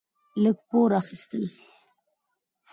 لږ پور اخيستل: